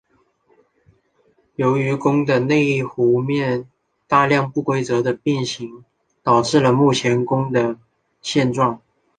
由于拱的内弧面大量不规则的变形导致了目前拱的形状。